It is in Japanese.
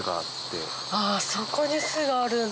あそこに巣があるんだ。